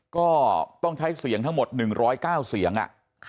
ก็ต้องใช้เสียงทั้งหมดหนึ่งร้อยเก้าเสียงค่ะ